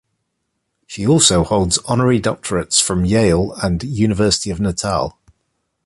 She also holds honorary doctorates from Yale and University of Natal.